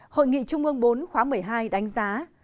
hội nghị trung ương bốn khóa một mươi hai đánh giá